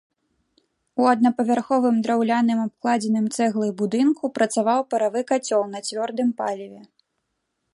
У аднапавярховым драўляным абкладзеным цэглай будынку працаваў паравы кацёл на цвёрдым паліве.